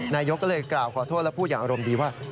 นายกก็เลยกล่าวขอโทษและพูดอย่างอารมณ์ดีว่า